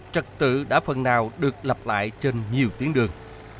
trật tự đã phần nào được lập lại trên nhiều tuyến đường